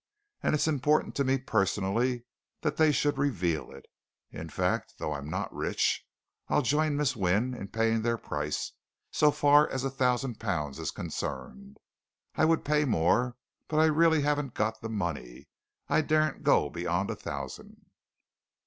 And it's important to me personally that they should reveal it. In fact, though I'm not rich, I'll join Miss Wynne in paying their price, so far as a thousand pounds is concerned. I would pay more, but I really haven't got the money I daren't go beyond a thousand."